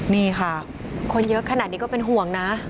นี่ค่ะคนเยอะขนาดนี้ก็เป็นห่วงนะ